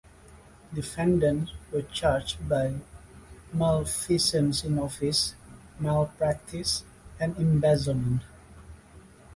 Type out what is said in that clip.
Defendants were charged by malfeasance in office, malpractice, and embezzlement.